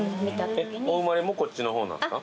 お生まれもこっちの方なんですか。